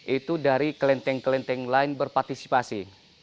itu dari kelenteng kelenteng lain berpartisipasi